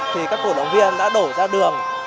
thì các cổ động viên đã đổ ra đường